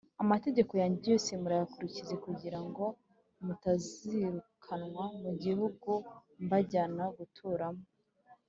Amategeko yanjye yose muyakurikize kugira ngo mutazirukanwa mu gihugu mbajyana guturamo